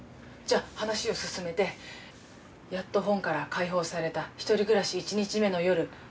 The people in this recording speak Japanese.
じゃあ話を進めてやっと本から解放された１人暮らし１日目の夜。